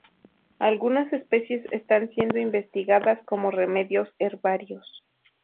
Algunas especies están siendo investigadas como remedios herbarios.